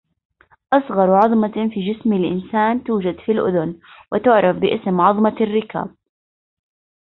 أصغر عظمة في جسم الإنسان توجد في الأذن، وتعرف بإسم عظمة الركاب.